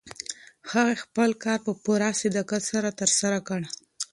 هغې خپل کار په پوره صداقت ترسره کړ.